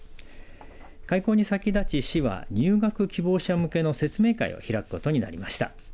開校に先立ち、市は入学希望者向けの説明会を開くことになりました。